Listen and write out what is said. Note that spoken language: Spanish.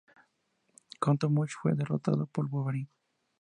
Cottonmouth fue derrotado por Wolverine.